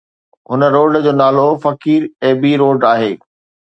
هن روڊ جو نالو فقير ايپي روڊ آهي